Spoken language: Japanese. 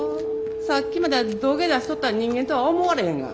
さっきまで土下座しとった人間とは思われへんが。